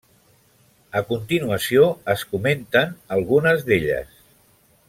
A continuació es comenten algunes d'elles.